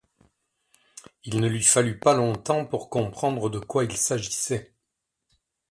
Il ne lui fallut pas longtemps pour comprendre de quoi il s’agissait.